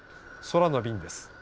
空の便です。